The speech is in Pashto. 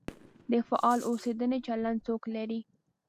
د فعال اوسېدنې چلند څوک لري؟